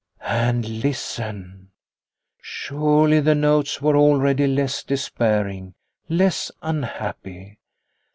And listen ! Surely the notes were already less despairing, less unhappy.